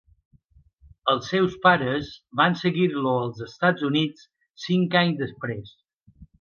Els seus pares van seguir-lo als Estats Units cinc anys després.